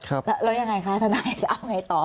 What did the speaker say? แล้วยังไงคะทนายจะเอาไงต่อ